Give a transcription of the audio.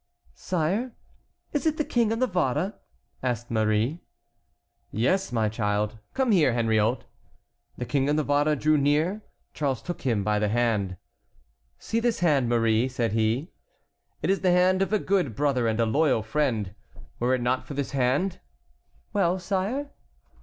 "Sire, is it the King of Navarre?" asked Marie. "Yes, my child; come here, Henriot." The King of Navarre drew near; Charles took him by the hand. "See this hand, Marie," said he, "it is the hand of a good brother and a loyal friend. Were it not for this hand"— "Well, sire?"